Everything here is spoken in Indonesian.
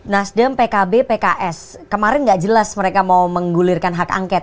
nasdem pkb pks kemarin nggak jelas mereka mau menggulirkan hak angket